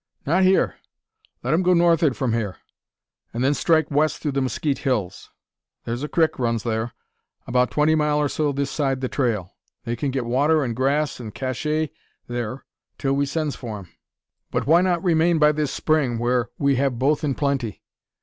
"Not hyur. Let 'em go north'ard from hyur, and then strike west through the Musquite Hills. Thur's a crick runs thur, about twenty mile or so this side the trail. They can git water and grass, and `cacher' thur till we sends for 'em." "But why not remain by this spring, where we have both in plenty?"